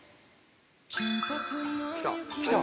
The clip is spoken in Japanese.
きた。